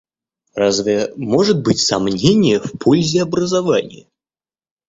Разве может быть сомнение в пользе образования?